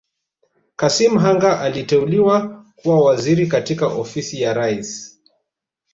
Kassim Hanga aliteuliwa kuwa Waziri katika Ofisi ya Rais